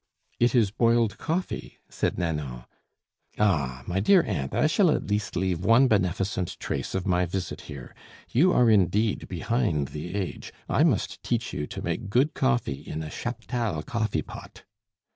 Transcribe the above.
"It is boiled coffee," said Nanon. "Ah! my dear aunt, I shall at least leave one beneficent trace of my visit here. You are indeed behind the age! I must teach you to make good coffee in a Chaptal coffee pot."